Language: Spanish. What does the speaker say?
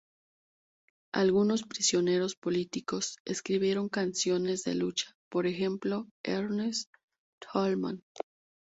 Algunos prisioneros políticos escribieron canciones de lucha, por ejemplo Ernst Thälmann.